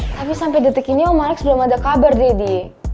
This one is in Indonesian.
tapi sampai detik ini om malex belum ada kabar deddy